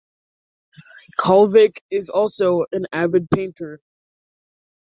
Kalvik is also an avid painter.